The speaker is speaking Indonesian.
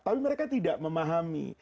tapi mereka tidak memahami